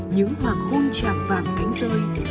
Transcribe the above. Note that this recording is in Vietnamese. những hoàng hôn chạm vàng cánh rơi